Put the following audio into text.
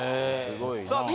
すごいなあ。